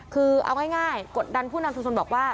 คือเอาง่ายกดดันผู้นำชุมชนบอกว่า